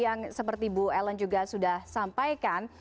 yang seperti bu ellen juga sudah sampaikan